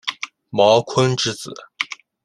茅坤之子。